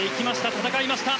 戦いました。